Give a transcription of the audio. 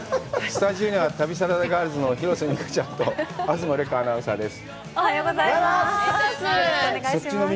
スタジオには旅サラダガールズの広瀬未花ちゃんと東留伽アナウンサーです。